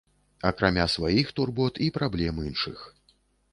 Акрамя сваіх турбот і праблем іншых.